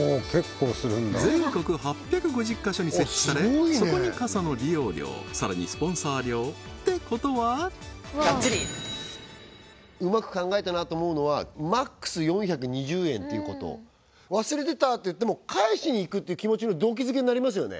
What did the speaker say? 全国８５０カ所に設置されそこに傘の利用料さらにスポンサー料ってことはうまく考えたなと思うのはマックス４２０円っていうこと忘れてたっていっても返しに行くっていう気持ちの動機付けになりますよね